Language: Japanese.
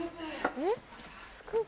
・えっ？